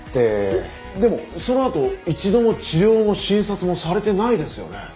えっでもそのあと一度も治療も診察もされてないですよね？